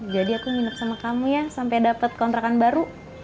jadi aku nginep sama kamu ya sampai dapat kontrakan baru